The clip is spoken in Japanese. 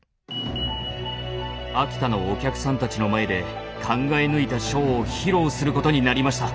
秋田のお客さんたちの前で考え抜いたショーを披露することになりました。